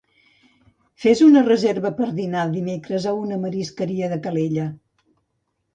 Fes una reserva per dinar dimecres a una marisqueria de Calella.